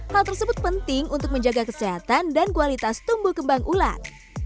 hal tersebut penting untuk menjaga kesehatan dan kualitas tumbuh kembang ular